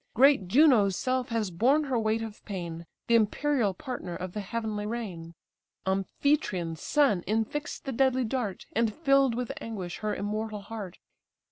Great Juno's self has borne her weight of pain, The imperial partner of the heavenly reign; Amphitryon's son infix'd the deadly dart, And fill'd with anguish her immortal heart.